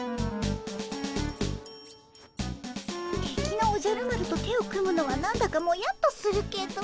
敵のおじゃる丸と手を組むのは何だかモヤッとするけど。